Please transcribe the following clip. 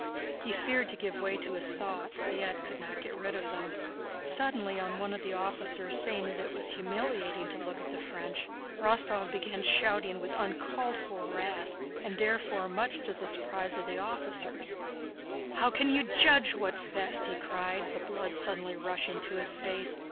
He feared to give way to his thoughts, yet could not get rid of them. Suddenly, on one of the officers' saying that it was humiliating to look at the French, Rostóv began shouting with uncalled for wrath, and therefore much to the surprise of the officers: "How can you judge what's best?" he cried, the blood suddenly rushing to his face.